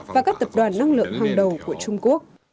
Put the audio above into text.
và các tập đoàn năng lượng hàng đầu của trung quốc